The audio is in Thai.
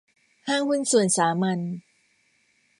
ห้างหุ้นส่วนสามัญ